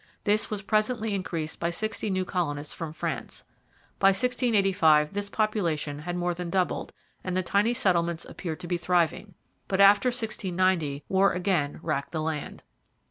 This was presently increased by sixty new colonists from France. By 1685 this population had more than doubled and the tiny settlements appeared to be thriving. But after 1690 war again racked the land.